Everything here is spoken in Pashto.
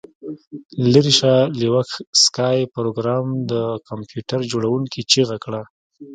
لیرې شه لیوک سکای پروګرامر د کمپیوټر جوړونکي چیغه کړه